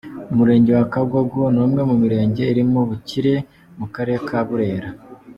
Umurenge wa Kagogo ni umwe mu mirenge irimo ubukire mu karere ka Burera.